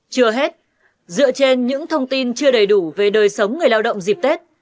chưa hết dựa trên những thông tin chưa đầy đủ về đời sống người lao động dịp tết